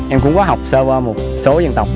em cũng có học sơ qua một số dân tộc